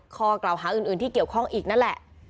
ข้อกล่าวหาอื่นที่เกี่ยวข้องอีกนั่นแหละ